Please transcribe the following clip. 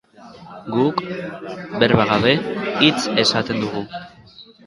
Guk, berba gabe, hitz esaten dugu.